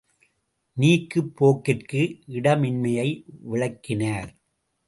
நீக்குப் போக்கிற்கு இடமின்மையை விளக்கினார்.